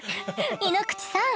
井ノ口さん